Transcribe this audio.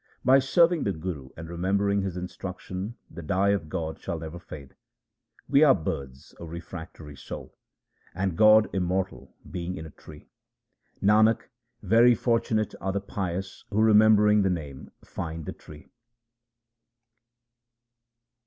By serving the Guru and remembering his instruction the dye of God shall never fade. We are birds, O refractory soul, and God the immortal Being is a tree. Nanak, very fortunate are the pious who remembering the Name find the Tree.